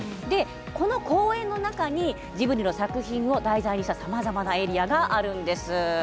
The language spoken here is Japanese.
この公園の中にジブリの作品を題材にしたさまざまなエリアがあるんです。